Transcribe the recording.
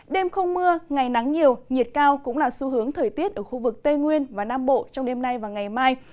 đêm không mưa ngày nắng nhiều nhiệt cao cũng là xu hướng thời tiết ở khu vực tây nguyên và nam bộ trong đêm nay và ngày mai